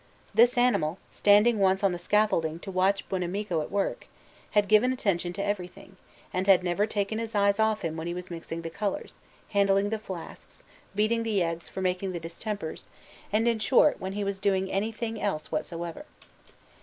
This animal, standing once on the scaffolding to watch Buonamico at work, had given attention to everything, and had never taken his eyes off him when he was mixing the colours, handling the flasks, beating the eggs for making the distempers, and in short when he was doing anything else whatsoever.